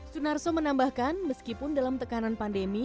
sunarso menambahkan meskipun dalam tekanan pandemi